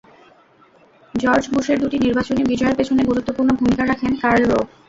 George বুশের দুটি নির্বাচনী বিজয়ের পেছনে গুরুত্বপূর্ণ ভূমিকা রাখেন কার্ল রোভ।